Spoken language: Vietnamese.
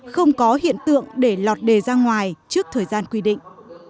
không có hiện tượng để lọt đề ra ngoài trước thời gian quy định